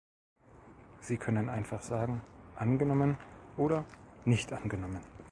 Sie können einfach sagen "angenommen" oder "nicht angenommen".